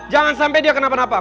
jangan sampai dia kenapa napa